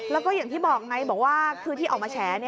แล้วก็อย่างที่บอกไงบอกว่าคือที่ออกมาแฉ